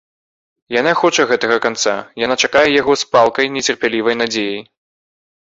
Яна хоча гэтага канца, яна чакае яго з палкай нецярплівай надзеяй.